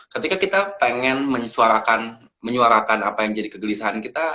ketika kita pengen menyuarakan apa yang jadi kegelisahan kita